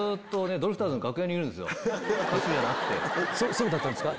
そうだったんですか？